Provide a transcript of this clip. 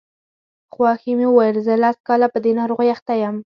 خواښې مې وویل زه لس کاله په دې ناروغۍ اخته یم.